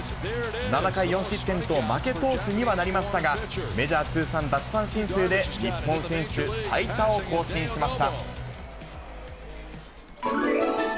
７回４失点と負け投手にはなりましたが、メジャー通算奪三振数で日本選手最多を更新しました。